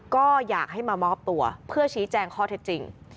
ก็อยากให้มามอบตัวเพื่อชี้แจงข้อเท็จจริง